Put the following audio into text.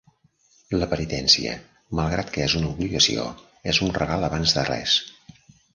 La penitència, malgrat que és una obligació, és un regal abans de res.